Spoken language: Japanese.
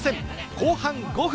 後半５分。